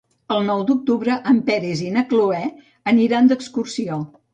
El nou d'octubre en Peris i na Cloè aniran d'excursió.